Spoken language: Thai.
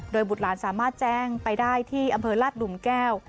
โดยบุตรหลานสามารถแจ้งไปได้ที่อำเภอลาดหลุมแก้ว